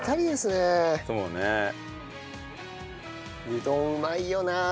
うどんうまいよなあ。